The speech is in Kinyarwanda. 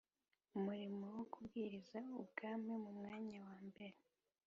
umurimo wo kubwiriza Ubwami mu mwanya wa mbere